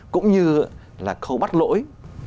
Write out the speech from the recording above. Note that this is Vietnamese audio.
cũng như là khâu bắt lỗi